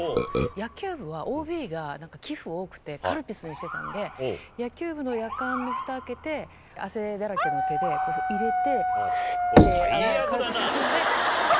野球部はＯＢが、なんか寄付、多くて、カルピスにしてたんで、野球部のやかんのふた開けて、汗だらけの手で、入れて。